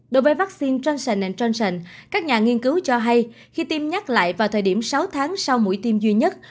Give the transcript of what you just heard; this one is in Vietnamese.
đối với vaccine trên sàn các nhà nghiên cứu cho hay khi tiêm nhắc lại vào thời điểm sáu tháng sau mũi tiêm duy nhất